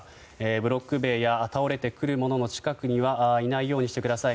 ブロック塀や倒れてくるものの近くにはいないようにしてください。